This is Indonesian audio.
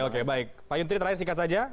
pak yudhri terakhir singkat saja